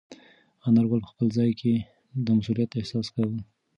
انارګل په خپل ځان کې د مسؤلیت احساس کاوه.